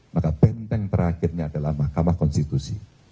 maka benteng terakhirnya adalah mahkamah konstitusi